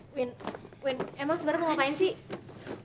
win win emang sebenarnya mau ngapain sih